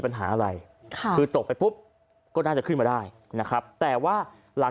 ปัญหาอะไรค่ะคือตกไปปุ๊บก็น่าจะขึ้นมาได้นะครับแต่ว่าหลัง